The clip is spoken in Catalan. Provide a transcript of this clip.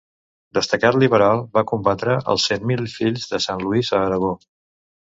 Destacat liberal, va combatre els Cent Mil Fills de Sant Lluís a Aragó.